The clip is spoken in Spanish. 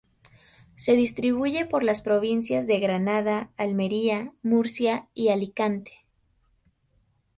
Se distribuye por las provincias de Granada, Almería, Murcia y Alicante.